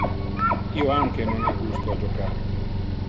Io anque non ha gusto a jocar.